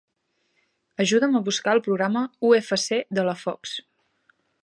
Ajuda'm a buscar el programa UFC de la Fox.